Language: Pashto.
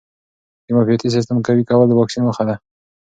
د معافیتي سیسټم قوي کول د واکسین موخه ده.